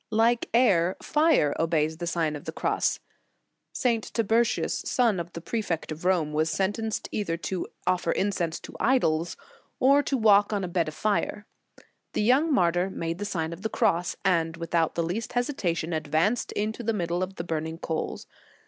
* Like air, fire obeys the Sign of the Cross. St. Tiburtius, son of the prefect of Rome, was sentenced either to offer incense to idols, or to walk on a bed of fire. The young martyr made the Sign of the Cross, and without the least hesitation advanced into the middle of the burning coals.